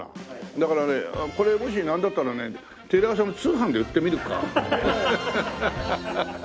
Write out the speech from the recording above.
だからこれもしなんだったらねテレ朝の通販で売ってみるか？